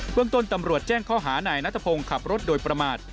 เมืองต้นตำรวจแจ้งข้อหานายนัทพงศ์ขับรถโดยประมาท